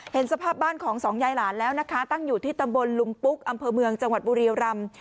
เห็นสภาพบ้านของสองยายหลานแล้วนะคะตั้งอยู่ที่ตำบลลุมปุ๊กอำเภอเมืองจังหวัดบุรียรำ